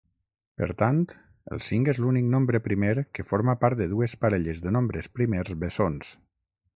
Per tant, el cinc és l'únic nombre primer que forma part de dues parelles de nombres primers bessons.